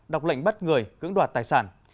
đọc lệnh bắt người cưỡng đoạt tài sản